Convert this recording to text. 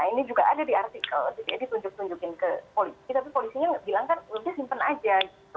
ini juga ada di artikel jadi dia ditunjuk tunjukin ke polisi tapi polisinya bilang kan lebih simpen saja